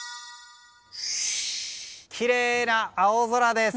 きれいな青空です。